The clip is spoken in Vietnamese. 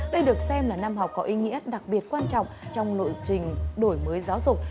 đây được xem là năm học có ý nghĩa đặc biệt quan trọng trong nội trình đổi mới giáo dục